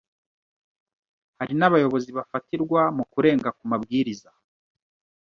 hari n’abayobozi bafatirwa mukurenga ku mabwiriza